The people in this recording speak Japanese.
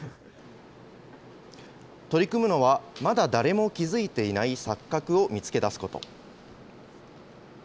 取り組むのは、まだ誰も気付いていない錯覚を見つけ出すこと。